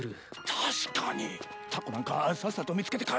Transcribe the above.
確かにタコなんかさっさと見つけて帰るべ。